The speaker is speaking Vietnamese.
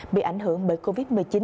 bị ảnh hưởng bởi covid một mươi chín